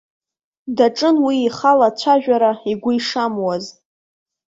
Даҿын уи ихала ацәажәара, игәы ишамуаз.